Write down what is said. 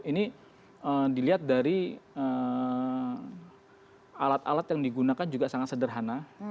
ini dilihat dari alat alat yang digunakan juga sangat sederhana